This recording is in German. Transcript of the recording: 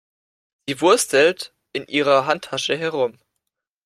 Sie wurstelt in ihrer Handtasche herum.